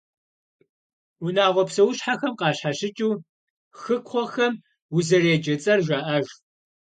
Унагъуэ псэущхьэхэм къащхьэщыкӏыу, хыкхъуэхэм узэреджэ цӏэр жаӏэж.